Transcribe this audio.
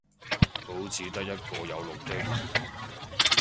好似得一個位有綠的